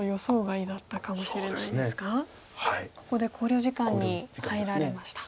ここで考慮時間に入られました。